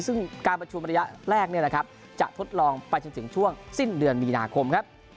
ซึ่งการประชุมระยะแรกจะทดลองไปจนถึงช่วงสิ้นเดือนมีนาคมครับ